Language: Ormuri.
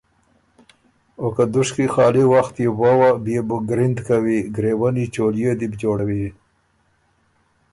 او که دُشکی خالی وخت يې ووا بيې بو ګرِند کوی ګرېوني چولئے دی بو جوړوی